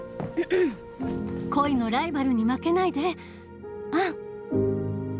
恋のライバルに負けないでアン！